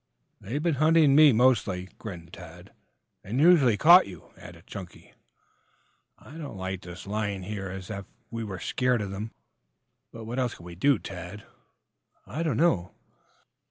"They've been hunting me mostly," grinned Tad. "And usually caught you," added Chunky. "I don't like this lying here as if we were scared of them." "But, what else can we do, Tad?" "I don't know."